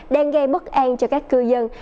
đang gây bất an cho các cư dân